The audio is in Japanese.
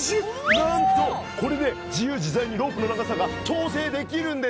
なんとこれで自由自在にロープの長さが調整できるんです。